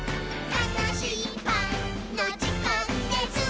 「たのしいパンのじかんです！」